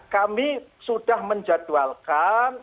kami sudah menjadwalkan